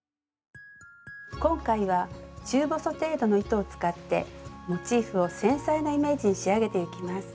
今回は中細程度の糸を使ってモチーフを繊細なイメージに仕上げていきます。